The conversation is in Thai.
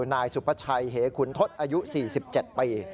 นายสุภาชัยเหขุนทศอายุ๔๗ปี